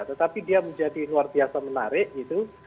tetapi dia menjadi luar biasa menarik gitu